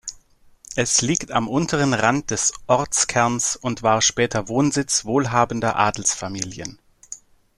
Es liegt am unteren Rand des Ortskerns und war später Wohnsitz wohlhabender Adelsfamilien.